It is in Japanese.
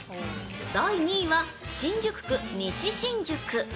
第２位は新宿区西新宿。